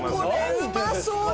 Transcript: うまそうだ！